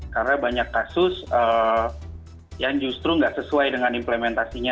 karena banyak kasus yang justru nggak sesuai dengan implementasinya